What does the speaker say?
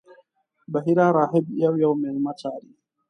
بحیرا راهب یو یو میلمه څاري.